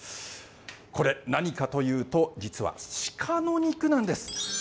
これ、何かというと、実は鹿の肉なんです。